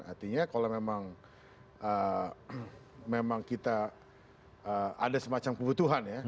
artinya kalau memang kita ada semacam kebutuhan ya